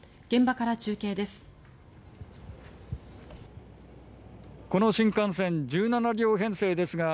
現場から中継です。